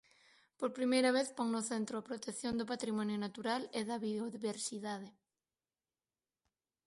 Por primeira vez pon no centro a protección do patrimonio natural e da biodiversidade.